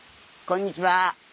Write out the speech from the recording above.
こんにちは。